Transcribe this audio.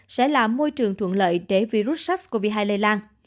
sẽ là môi trường thuận lợi để virus sars cov hai lây lan